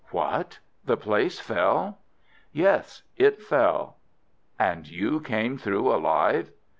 "What! the place fell?" "Yes, it fell." "And you came through alive?"